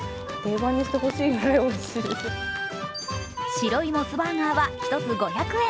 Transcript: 白いモスバーガーは１つ５００円。